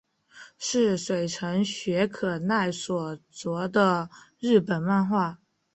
是水城雪可奈所着的日本漫画。